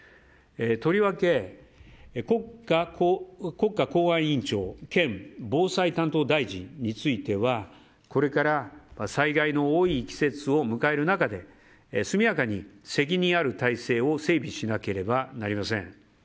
とりわけ、国家公安委員長兼防災担当大臣についてはこれから災害の多い季節を迎える中で速やかに責任ある体制を整備しなければなりません。